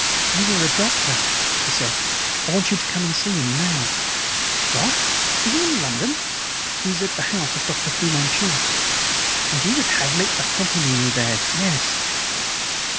"You are a doctor," she said. "I want you to come and see him now." "What! Is he in London?" "He is at the house of Dr. Fu Manchu." "And you would have me " "Accompany me there, yes."